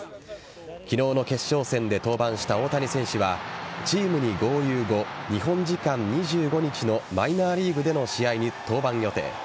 昨日の決勝戦で登板した大谷選手はチームに合流後日本時間２５日のマイナーリーグでの試合に登板予定。